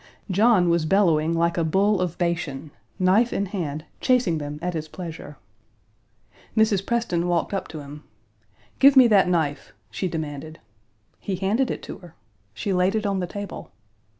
John was bellowing like a bull of Bashan, knife in hand, chasing them at his pleasure. Mrs. Preston walked up to him. "Give me that knife," she demanded. He handed it to her. She laid it on the table.